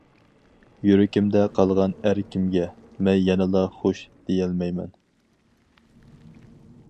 يۈرىكىمدە قالغان ئەركىمگە، مەن يەنىلا خوش دېيەلمەيمەن.